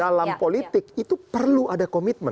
dalam politik itu perlu ada komitmen